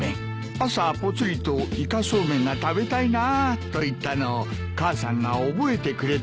朝ぽつりと「イカそうめんが食べたいなあ」と言ったのを母さんが覚えてくれてたようです。